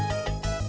saya sudah selesai